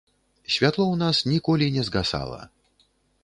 Святло ў нас ніколі не згасала.